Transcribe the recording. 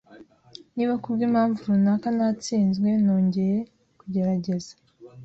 Niba kubwimpamvu runaka natsinzwe, nongeye kugerageza.